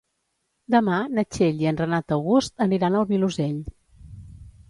Demà na Txell i en Renat August aniran al Vilosell.